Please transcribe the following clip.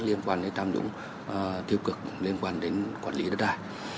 liên quan đến tham nhũng tiêu cực liên quan đến quản lý đất đài